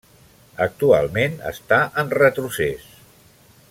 Actualment està en retrocés.